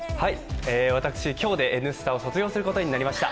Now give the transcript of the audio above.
私、今日で「Ｎスタ」を卒業することになりました。